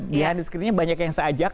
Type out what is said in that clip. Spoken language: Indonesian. di handiskrinnya banyak yang saya ajak